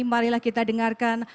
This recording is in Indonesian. marilah kita dengarkan